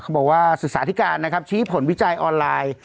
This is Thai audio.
เขาบอกว่าสื่อสาธิการชี้ผลวิจัยออนไลน์